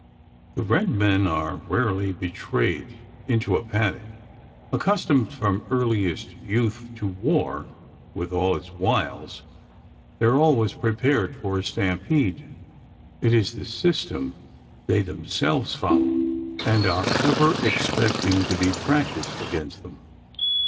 The red men are rarely betrayed into a panic. Accustomed from earliest youth to war, with all its wiles, they are always prepared for a stampede. It is the system they themselves follow, and are ever expecting to be practised against them.